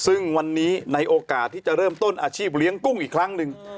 ซึ่งวันนี้ในโอกาสที่จะเริ่มต้นอาชีพเลี้ยงกุ้งอีกครั้งหนึ่ง